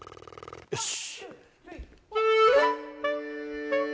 よし！